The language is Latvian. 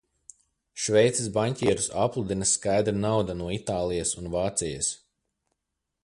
Šveices baņķierus applūdina skaidra nauda no Itālijas un Vācijas.